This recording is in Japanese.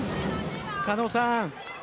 狩野さん